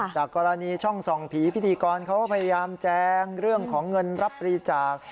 จากกรณีช่องส่องผีพิธีกรเขาก็พยายามแจงเรื่องของเงินรับบริจาค